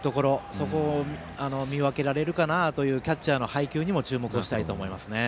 そこを見分けられるかなというキャッチャーの配球にも注目したいと思います。